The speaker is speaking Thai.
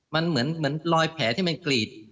มันเหมือนรอยแผลที่มันกรีด